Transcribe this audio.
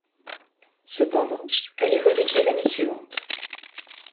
Cependant elle est reléguée l'année suivante.